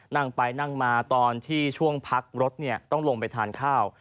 นั่งไปนั่งมาตอนที่ช่วงพักรถต้องลงไปทานข้าว